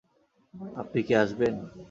আপনি কি আসবেন?